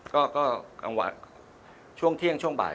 ก็กลางวันช่วงเที่ยงช่วงบ่าย